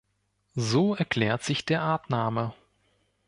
So erklärt sich der Artname.